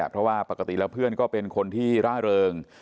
เพราะว่าปกติแล้วเพื่อนก็เป็นคนที่ร่าเริง